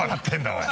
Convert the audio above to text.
おい。